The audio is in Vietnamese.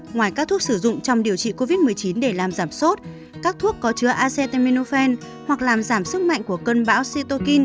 ngoài các thuốc sử dụng trong điều trị covid một mươi chín để làm giảm sốt các thuốc có chứa acetminophen hoặc làm giảm sức mạnh của cơn bão sitokin